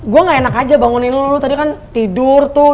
gue gak enak aja bangunin lulu lu tadi kan tidur tuh